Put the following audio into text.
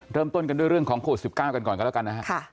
เริ่มต้นกันด้วยเรื่องของโควิด๑๙กันก่อนกันแล้วกันนะฮะ